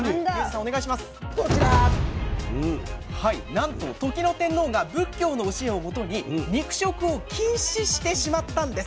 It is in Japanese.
なんと時の天皇が仏教の教えをもとに肉食を禁止してしまったんです。